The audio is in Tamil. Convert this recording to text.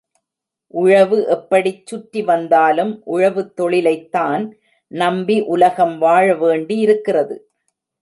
உழவு எப்படிச் சுற்றி வந்தாலும் உழவுத் தொழிலைத்தான் நம்பி உலகம் வாழ வேண்டி இருக்கிறது.